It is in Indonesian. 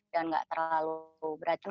dan nggak terlalu beracun